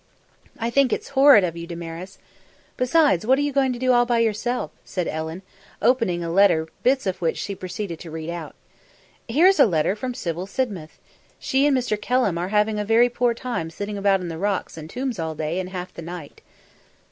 "I think it's horrid of you, Damaris. Besides, what are you going to do all by yourself?" said Ellen, opening a letter bits of which she proceeded to read out. "Here's a letter from Sybil Sidmouth. She and Mr. Kelham are having a very poor time sitting about in the rocks and tombs all day and half the night."